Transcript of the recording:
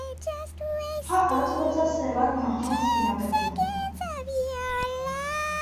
हा आजवरचा सर्वांत महान सेनापती मानतात.